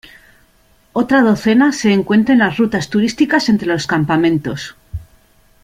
Otra docena se encuentra en las rutas turísticas entre los campamentos.